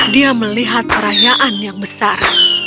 dia melihat perayaan yang besar